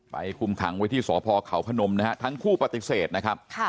คุมขังไว้ที่สพเขาพนมนะฮะทั้งคู่ปฏิเสธนะครับ